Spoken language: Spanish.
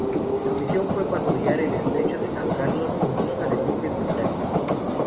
Su misión fue patrullar el estrecho de San Carlos en busca de buques británicos.